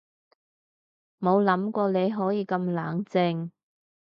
冇諗過你可以咁冷靜